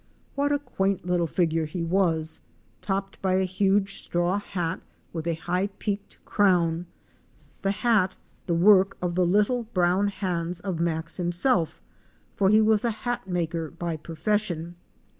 What a quaint little figure he was, topped by a huge straw hat with a high peaked crown; the hat the work of the little brown hands of Max himself, for he was a hat maker by profession.